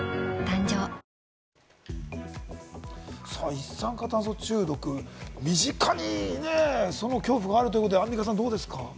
一酸化炭素中毒、身近にね、その恐怖があるということで、アンミカさん、どうですか？